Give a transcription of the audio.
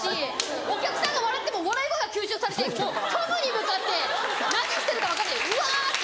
お客さんが笑っても笑い声が吸収されてもう虚無に向かって何してるか分かんないうわ！って。